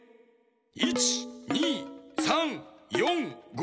１２３４５６。